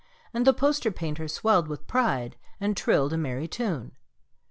And the poster painter swelled with pride And trilled a merry tune.